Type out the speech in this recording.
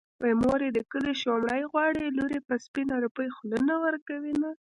مور يې د کلي شومړې غواړي لور يې په سپينه روپۍ خوله نه ورکوينه